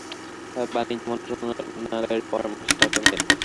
তবে বাণিজ্য মন্ত্রণালয়ের পরামর্শে তা কমিয়ে দেয়।